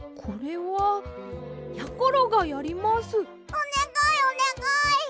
おねがいおねがい！